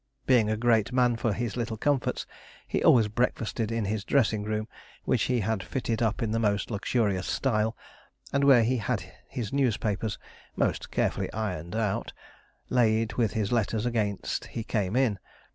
Being a great man for his little comforts, he always breakfasted in his dressing room, which he had fitted up in the most luxurious style, and where he had his newspapers (most carefully ironed out) laid with his letters against he came in.